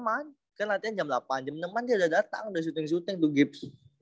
jam enam an kan latihan jam delapan an jam enam an dia udah datang udah syuting syuting tuh gibbs